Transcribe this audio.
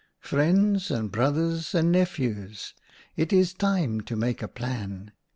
'Friends and brothers and nephews, it is time to make a plan.